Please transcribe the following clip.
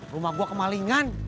rumah gua kemalingan